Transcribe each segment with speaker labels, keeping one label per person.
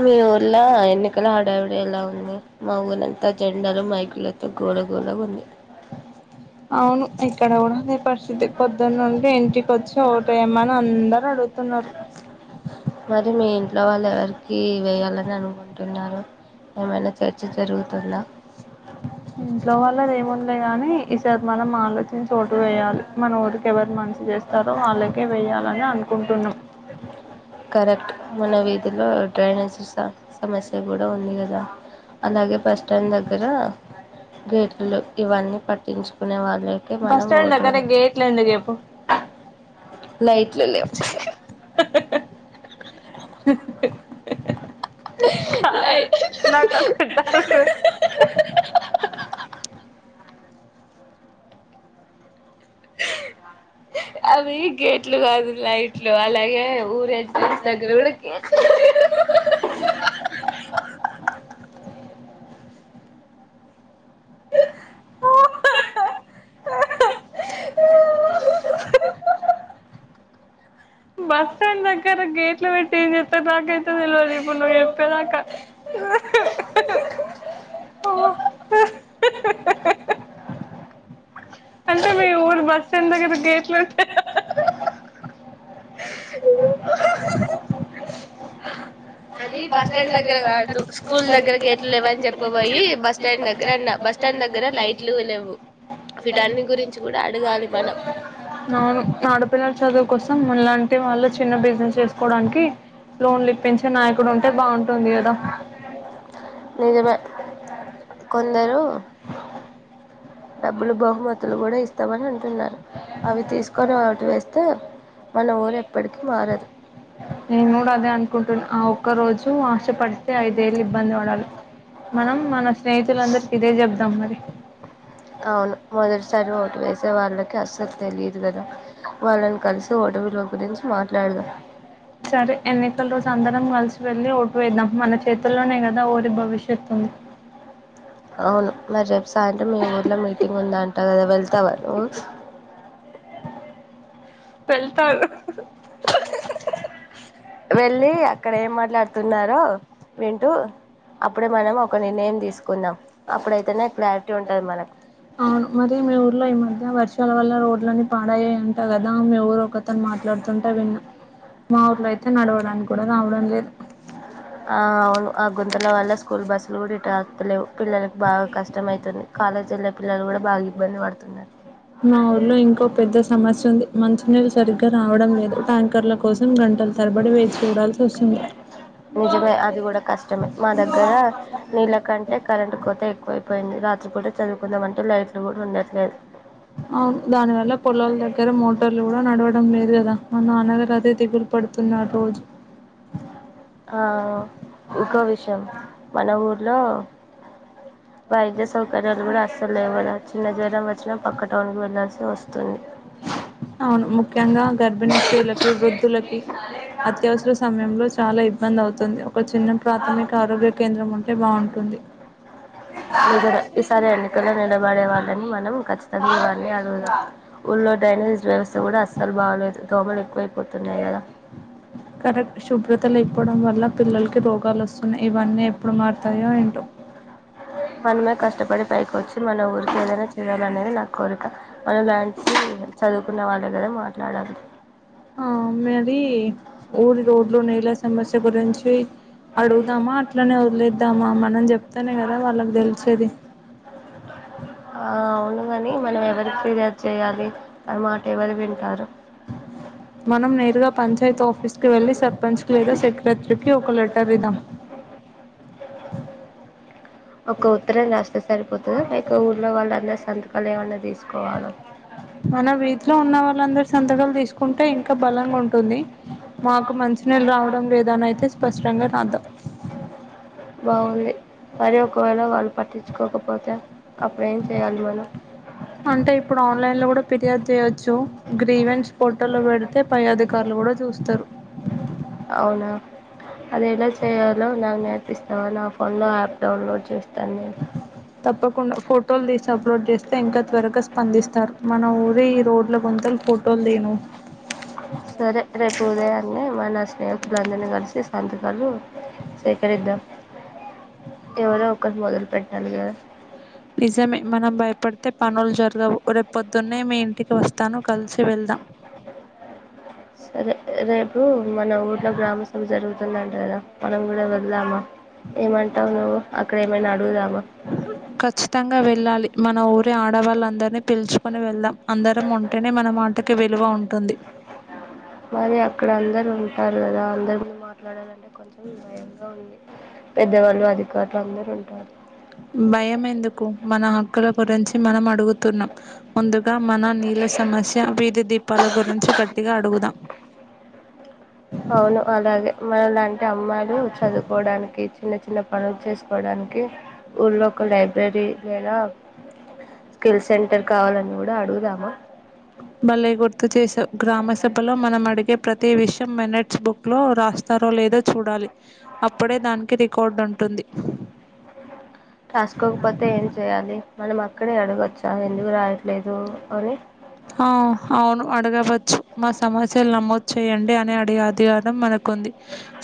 Speaker 1: మీ ఊర్లో ఎన్నికల హడావిడి ఎలా ఉంది? మా ఊరంతా జెండాలు మైకులు గోల గోల గుంది
Speaker 2: అవును ఇక్కడ కూడా అదే పరిస్థితి పొద్దున్న నుండి ఇంటికొచ్చి ఓటేయమని అందరు అడుగుతున్నారు.
Speaker 1: మరి మీ ఇంట్లో వాళ్ళు ఎవరికి వేయాలని అనుకుంటున్నారు. ఏమైనా చర్చ జరుగుతుందా?
Speaker 2: ఇంట్లోవాళ్ళదేముంది లెగాని ఈసారి మనం ఆలోచ చి ఓటు వేయాలి మన ఊరికి ఎవరు మంచి చేస్తారో వాళ్ళకే వెయ్యాల అని అనుకుంటున్నాం
Speaker 1: కరెక్ట్ మన వీధిలో డ్రైనేజ్ సిస్ సమస్య కూడా ఉంది కదా అలాగే బస్టాండ్ దగ్గర గేట్లు లేవు ఇవన్నీ పట్టించుకునే వాళ్ళే
Speaker 2: బస్ స్టాండ్ దగ్గర గేట్లు ఎందుకు చెప్పు
Speaker 1: లైట్లు లేవు
Speaker 2: కాదు
Speaker 1: అయి
Speaker 2: నాకు అసలు డౌట్
Speaker 1: ఆ అవి గేట్లు కాదు లైట్లు అలాగే ఊరే దగ్గర కూడాకి ఇ
Speaker 2: గేట్లో పెట్టి చెస్తారు నాకైతే తెలివదు ఇప్పుడు ను చెప్పేదాక పూర్ బస్ స్టాండ్లోగది గలు
Speaker 1: బస్టాండ్ దగ్గర వాడుతూ స్కూల్ దగ్గర గేట్లు లేవని చెప్పబయి బస్ స్టాండ్ దగ్గర అన్న బస్ స్టాండ్ దగ్గర లైట్లు లేవు వీటన్ని గురించి కూడా అడగాలి మనం
Speaker 2: నా ఆ ఆడపిల్లల చదువు కోసం మనలాంటి వాళ్ళు చిన్న బిజినెస్ చేసుకోవడానికి లోన్ ఇప్పించే నాయకుడు ఉంటే బాగుంటుంది కదా
Speaker 1: నిజమ కొందరు డబ్బులు బహుమతులు కూడా ఇస్తామని అంటున్నారు అవి తీసుకొని అటి వేస్తే మన ఊరు ఎప్పటికిీ మారదు
Speaker 2: న నూడదే అంత ఆ ఒక్క రోజు ఆశ పడితే ఐదేళ్ళు ఇబ్బంది పడాలి మనం మన స్నేహితులందరికి ఇదే చెబదాం మరి
Speaker 1: అవును మొదటిసారి ఓటు వేసే వాళ్ళకి అస్సలు తెలియదు కదా వాళ్ళని కలిసి ఓట విల గురించి మాట్లాడదాం
Speaker 2: సరే ఎన్ని ఒకల రోజు అందరం కలిసి వెళ్ళి ఓటు వేద్దాం మన చేతుల్లోనే కదా ఊరి భవిష్యత్తుంది
Speaker 1: అవును మరి చెప్పి సాయంత్రం మీ ఊర్లో మీటింగ్ ఉంద అంటా కదా వెళ్తావా నువ్
Speaker 2: వెళ్తాను
Speaker 1: వెళ్ళి అక్కడ ఏం మాట్లాడుతున్నారో వింటూ అప్పుడే మనం ఒక నిర్ణయం తీసుకుందాం అప్పుడైతేనే క్లారిటీ ఉంటుంది మనకు
Speaker 2: అవును మరి మీ ఊర్లో ఈ మధ్య వర్షాల వల్ల రోడ్లన్న పాడాయ అంట కదా మీ ఊరు ఒకతను మాట్లాడుతుంటే విన్న మా ఊర్లో అయితే నడవడానికి కూడా రావడం లేదు
Speaker 1: ఆ అవును ఆ గుంతల వల్ల స్కూల్ బస్సులు కూడా వస్తా లేవు పిల్లలకి బాగా కష్టం అవుతుంది కాలేజీ వెళ్ళే పిల్లలు కూడా బాగా ఇబ్బంది పడుతున్నారు
Speaker 2: మా ఊర్లో ఇంకో పెద్ద సమస్య ఉంది మంచి నీళు సరిగ్గ రావడం లేదు ట్యాంకర్లకు కోసం గంటలు తరబడి వేచి చూడాల్సి వస్తుంది
Speaker 1: నిజమే అది కూడా కష్టమే మా దగ్గర నీళ్ళ కంటే కరెంట్ కోత ఎ ఎక్కువైపోయింది రాత్రి పుట చదువుకుందామంటే లైట్లు కూడా ఉండట్లేదు
Speaker 2: అవును దానివల్ల పొలాల దగ్గర మోటార్లు కూడా నడవడం లేదు కదా మా నాన్నగారు అదే దిగులు పడుతున్నారు రోజు
Speaker 1: ఆహ్ ఇంకో విషయం మన ఊర్లో వైద్య సౌకర్యాలు కూడా అస్సలు లేవు చిన్న జ్వరం వచ్చిన పక్క టౌన్ కి వెళ్లాల్సి వస్తుంది
Speaker 2: అవును ముఖ్యంగా గర్భిణీ స్త్రీలకి వృద్ధులకి అత్యవసర సమయంలో చాలా ఇబ్బంది అవుతుంది. ఒక చిన్న ప్రాథమిక ఆరోగ్య కేంద్రం ఉంటే బావుంటుంది.
Speaker 1: ఈసారి ఎన్నికల్లో నిలబడే వాళ్ళని మనం ఖచ్చితంగా ఇవన్నీ అడుగుదాం ఊళ్ళ డ్రైనేజ్ వ్యవస్థ కూడా అస్సలు బాగలేదు దోమలు ఎక్కువైపోతున్నాయి కదా
Speaker 2: కరెక్ట్ శుభ్రత లేకపోవడం వల్ల పిల్లలకి రోగాలు వస్తున్నాయి ఇవన్నీ ఎప్పుడు మారుతాయో ఏంటో
Speaker 1: మనమే కష్టపడి పైకోచ్చు మన ఊరికి ఏదైనా చేయాలినేది నా కోరిక మన లాంటి చదువుకున్న వాళ్ళే కదా మాట్లాడాలి
Speaker 2: ఆ మరి ఊరి రోడ్లు నెల సమస్య గురించి అడుగుదామా అట్లనే వదిలేద్దామా మనం చెప్తానే కదా వాళ్ళకి తెలిసేది
Speaker 1: అవును కాని మనం ఎవరికి ఫిర్యాదు చేయాలి మన మాట ఎవరు వింటారు
Speaker 2: మనం నేరుగా పంచాయతీ ఆఫీ ఆఫీస్కి వెళ్ళి సర్పంచ్కి లేదా సెక్రటరీకి ఒక లెటర్ ఇద్దం
Speaker 1: ఒక ఉత్తరం రాస్తే సరిపోతుంది లేక ఊళ్లో వాళ్ళు అందరు సంతకాలు ఏమన్నా తీసుకోవాలి
Speaker 2: మన వీటిలో ఉన్న వాళ్ళందరు సంతకాలు తీసుకు కుంటే ఇంకా బలంగా ఉంటుంది మాకు మంచినీళ్ళు రావడం లేదాని అయితే స్పష్టంగా రాద్దాం [inaudible]
Speaker 1: బాగుంది మరి ఒకవేళ వాళ్ళు పట్టించుకోకపోతే అప్పుడ ఏం చేయాలి మనం
Speaker 2: అంటే ఇప్పుడు ఆన్లైన్ లో కూడా ఫిర్యాదు చేయొచ్చు గ్రీవెంస్ పోర్ట లో పెడితే పై అధికారులు కూడా చూస్తారు
Speaker 1: అవునా అది ఎలా చేయాలో నాకు నేర్పిస్త నా ఫోన్ లో యాప్ డౌన్లోడ్ చేస్తారు
Speaker 2: తప్పకుండా ఫోటోలు తీసి అప్లోడ్ చేస్త ఇంకా త్వరగా స్పందిస్తె తర్ మన ఊరే ఈ రోడ్ల కొంతలు ఫోటోలు తేను
Speaker 1: సరే రేపు ఉదయాన్నన్ని మ నష్ట స్నేహితులందరినీ కలిసి సంతకాలు సేకరిద్దాం ఎవరో ఒకరు మొదలు పెట్టాలి కదా
Speaker 2: నిజమే మనం భయపడితే పనులు జరగవు రేపు పొద్దున్నే మీ ఇంటికి వస్తాను కలిసి వెళ్దాం
Speaker 1: సరే రేపు మన ఊర్లో గ్రామ సభ జరుగుతుందంట కదా మనం కూడా వెళ్దామా ఏమంటావు నువ్వు అక్కడ ఏమైనా అడుగుదామా
Speaker 2: కఖచ్చితంగా వెళ్ళాలి మన ఊరే ఆడవాళ్ళందరుూ అ పిలుచుకొని వెళ్దాం అందరం ఉంటేనే మనం అంతకి విలువ ఉంటుంది
Speaker 1: మరి అక్కడ అందరు ఉంటారు కదా అందరు మీరు మాట్లాడాలింటే కొంచెం భయంగా ఉంది పెద్దవాళ్ళు అధికారులు అందరుూ ఉంటారు
Speaker 2: భయం ఎందుకు మన హక్కుల గురించి మనం అడుగు ముందుగా మన నీళ్ళ సమస్య వీధి దీపాల గు నుంచి కట్టిగా అడుగుదా
Speaker 1: అవును అలాగే మనం లాంటి అమ్మాయిలు చదువుకోవడానికి చిన్న చి చిన్న పనులు చేసుకోవడానికి ఊళ్లో ఒక లైబ్రరీ లేదా స్కిల్ సెంటర్ కావాలండి మ కూడా అడుగుదాము
Speaker 2: మళ్ళీ గుర్తు చేశావు గ్రామసభలో మనం అడిగే ప్రతి విషయం మెినట్స్ బుక్లో రాస్తారో లేదో చూడాలి అప్పుడే దానికి రికార్డు ఉంటుంది
Speaker 1: రాసుకోకపోతే ఏం చేయాలి మనం అక్కడే అరే
Speaker 2: ఆ అవును అడగవచ్చు మా సమస్యలు నమోదు చేయండి అని అడిగే అధికారం మనకుంది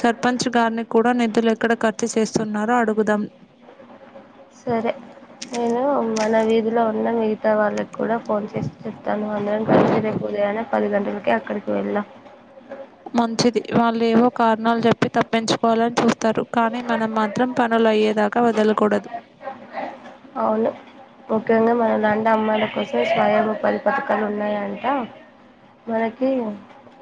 Speaker 2: సర్పంచ్ గారిని కూడా నిధులు ఎక్కడ ఖర్చు చేస్తున్నారో అడుగుదాం
Speaker 1: సరే నేను మన వీధిలో ఉన్న మీ కొత్త వాళ్ళకి కూడా ఫోన్ చేసి చెప్తాను నువ్ అందరం కలిసి రేపు ఉదయాన్నే పది గంటలకి అక్కడికి వెళ్ళాం
Speaker 2: మంచిది వాళ్ళు ఏవో కారణాలు చెప్పి తప్పించుకోవాలని చూస్తారు కానీ మనం మాత్రం పనులు అయ్యేదాకా వదలకూడదు
Speaker 1: అవును ముఖ్యంగా మన నాన్న అమ్మాయిల కోసం స్వయంము పరి పథకాలు ఉన్నాయంట మనకి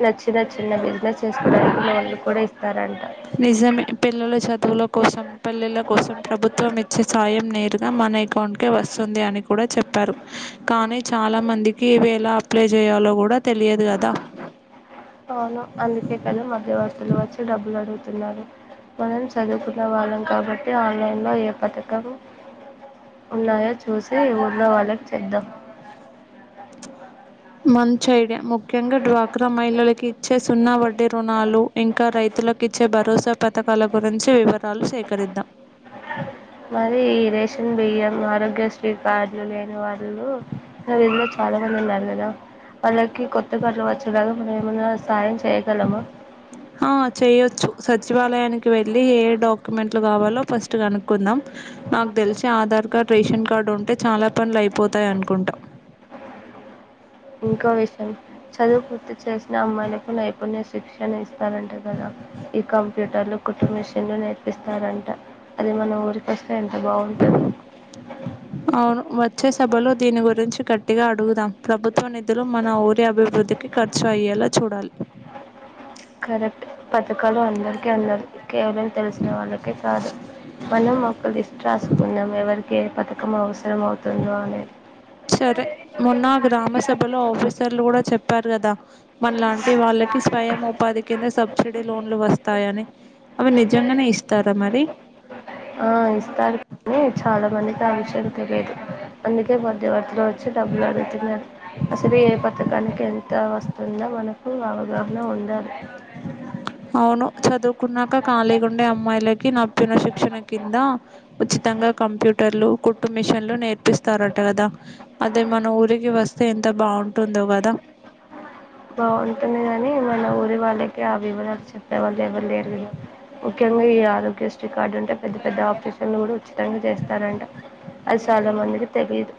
Speaker 1: నచ్చిన చిన్న బిజినెస్ చేసుకోవడానికి లోన్లు కూడా ఇస్తారంట
Speaker 2: నిజమే పిల్లల చదువుల కోసం పళ్లెల కోసం ప్రభుత్వం ఇచ్చే సాయం నేరు మన అకౌంట్క వస్తుంది అని కూడా చెప్పారు కానీ చాలా మందికి ఇవ ఎలా అప్లై చేయాలో కూడా తెలియదు కదా
Speaker 1: అవును అందుకే కదుా మధ్యవర్తులు వచ్చి డబ్బులు అడుగు మనం చదువుకున్న వాళ్ళం కాబట్టి ఆన్లైన్లో ఏ పథకం ఉన్నాయో చూసి ఊన్న వాళ్ళకి చేద్దాం
Speaker 2: మంచ ఐడియా ముఖ్యంగా డ్వాక్రా మహిళలకు ఇచ్చే సున్నా వడ్డీ రుణాలు ఇంకా రైతులకు ఇచ్చే భరోసా పథకాల గురించి వివరాలు సేకరిద్దాం
Speaker 1: మరి ఈ రేషన్ బియ్యం ఆరోగ్యశ్రీ కార్డులు లేనివారు ఇందులో చాలా మంది ఉన్నారు కదా వాళ్ళకి కొత్త కరలు వచ్చేలాగా మనం ఏమన్నా సాయం చేయగలము
Speaker 2: ఆ చేయొచ్చు సచివాలయానికి వెళ్ళలి ఏడు డాక్యుమెంట్లు కావాలో ఫస్ట్ కనుక్కుందాం నాకు తెలిసి ఆధార్ కార్డ్ రేషన్ కార్డ్ ఉంటే చాలా పనులు అయిపోతాయి అనుకుంటాం
Speaker 1: ఇంకో విషయం చదువు పూర్తి చేసిన అమ్మాయిలకు నైపుణ్య శిక్షణస్త రాలంటే కదా ఈ కంప్యూటర్లు కుటుం మెషన్లు నట్ పిస్తారంట అది మన ఊరిక వా
Speaker 2: అవును వచ్చే సభలో దీని గురించి గట్టిగా అడుగుదాం ప్రభుత్వ నిధులు మన ఊరి అభివృద్ధికి ఖర్చు అయ్యేలా చూడాలి
Speaker 1: కరెక్ట్ పతుకలు అన్న ఎరిక ఉన్నారు కేవలం తెలిసిన వాళ్ళకే కాదు మనం ఒక లిస్ట్ రాసుకున్నాం ఎవరికి కే పథకం అవస్
Speaker 2: సరే మొన్న గ్రామ సభలో ఆఫీసర్లు కూడా చెప్పారు కదా మనలాంటి వాళ్ళకి స్వయం ఉపాధి కింద సబ్సిడీ లోన్లు వస్తాయా అని అవి నిజంగానే ఇస్తారా మరి
Speaker 1: ఆ ఇస్తారు కానీ చాలా మందికి ఆ విషయ లు తెలియదు అందుకే మధ్యవర్తిలు వచ్చి డబ్బులు అడుగుతున్నారు అసలు ఏ పథకానికి ఎంత వస్తుందో మనకు అవగాహన ఉండాలి
Speaker 2: అవును చదువు కున్నాక ఖళీగా ఉండే అమ్మాయిలకి నా చెప్పిన శిక్షణ కింద ఉచితంగా కంప్యూటర్లు కుట్టు మిషన్లు నేర్పిస్తారట కదా అద మన ఊరికి వస్తే ఎంత బాగుంటుందో కదా
Speaker 1: బో వెల్ గాని కాని మన ఊరి వాళ్ళ రా ఆ వివరాలు చెప్పే వాళ్ళు ఎవరు లేరు కదా ముఖ్యంగా ఈ ఆరోగ్యశ్రీ కార్డు ఉంటే పెద్ద పెద్ద ఆఫీసులు కూడా ఉచితంగా చేస్తారంట అది చాలా మందికి తెలిదు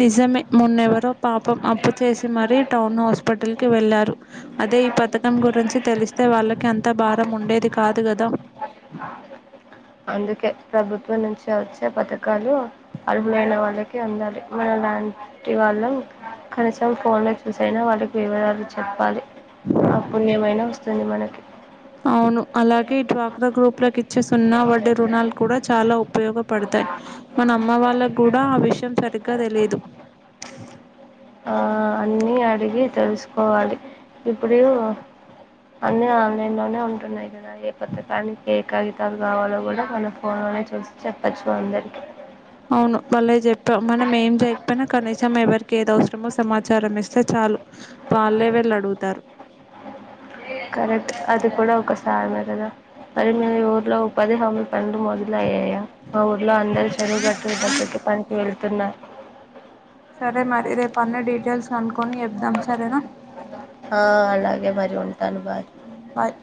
Speaker 2: నిజమే మున్నెవరో పాపం అప్పు చేసి మరీ టౌన్ హాస్పిటల్కి వెళ్ళారు అదే ఈ పథకం గురించి తెలిస్తే వాళ్ళకి అంత భారం ఉండేది కాదు కదా
Speaker 1: అందుకే ప్రభుత్వం నుంచి వచ్చే పథకాలు బ్రాబుత్వమ్ అర్హలైన వాళ్ళకి అందాలి మన లాంటి వాళ్ళం కనీసం ఫోన్లో చూసైనా వాళ్ళకి వివరాలు చెప్పాలి ఆ పుణ్యమైన వస్తుంది మనకి
Speaker 2: అవును అలాగే ఈ వాక్రా గ్రూప్ లోకి ఇచ్చే వడ్డీ రుణాలు కూడా చాలా ఉపయోగపడతాయి మన అమ్మ వాళ్ళకి కూడా ఆ విషయం సరిగ్గా తెలిదు
Speaker 1: ఆ అన్ని అడిగి తెలుసుకోవాలి ఇప్పుడు అ ఆన్‌లైన్‌లో ఉన్నాను ంటున్నాయి కదా ఏ కొత్తకానికి ఏ కగితాలు కావాలో కూడా మన ఫోన్లోనే చూసి చెప్పచ్చు అందరికీ
Speaker 2: అవును మళ్ళీ చెప్పాం మనం ఏం చేయకపోయినా కనీసం ఎవరికి ఏద ము సమాచారం ఇస్తే చాలు పాళ్లేే వెళ్ళ అడుగుతారు
Speaker 1: కరెక్ట్ అది కూడా ఒకసారి మదద అరి ఊర్లో ఒక పదిహమి ప మొదలు అయ్యాయా మా ఊర్లో అందరి చెరువు గట్టటులు దగ్గరికి పనికి వెళ్త క్కన్న
Speaker 2: సరే మరి రేపు అన్ని డీటెయిల్స్ కన్
Speaker 1: ఆ అలాగే మరి ఉం టాను బాయ్
Speaker 2: బాయ్